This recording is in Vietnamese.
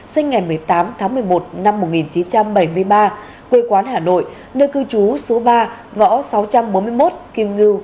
sinh ngày một mươi tám tháng một mươi một năm một nghìn chín trăm bảy mươi ba quê quán hà nội nơi cư trú số ba ngõ sáu trăm bốn mươi một kim ngư